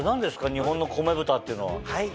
日本のこめ豚っていうのは。